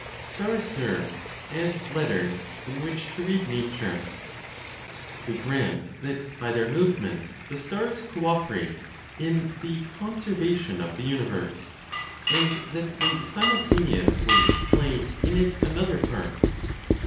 STARS SERVE AS LETTERS IN WHICH TO READ NATURE. We grant that by their movement the stars co operate in the conservation of the universe, and that they simultaneously play in it another part.